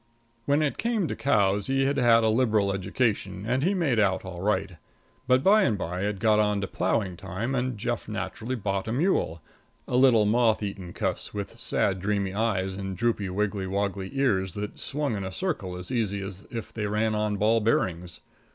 When it came to cows, he had had a liberal education and he made out all right, but by and by it got on to ploughing time and Jeff naturally bought a mule a little moth eaten cuss, with sad, dreamy eyes and droopy, wiggly woggly ears that swung in a circle as easy as if they ran on ball bearings.